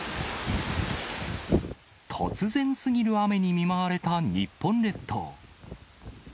突然すぎる雨に見舞われた日本列島。